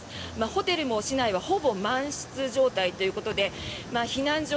ホテルも市内はほぼ満室状態ということで避難所